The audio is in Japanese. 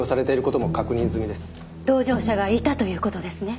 同乗者がいたという事ですね。